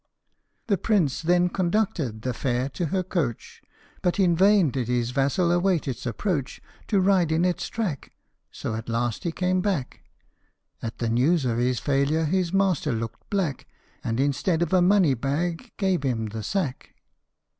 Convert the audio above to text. The Prince then conducted the fair to her coach But in vain did his vassal await its approach To ride in its track, so at last he came back. At the news of his failure his master looked black, And instead of a money bag gave him the sack.